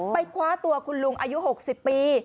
คว้าตัวคุณลุงอายุ๖๐ปี